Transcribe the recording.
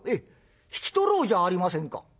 引き取ろうじゃありませんか」。